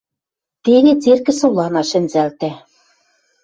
Теве церкӹ солана шӹнзӓлтӓ.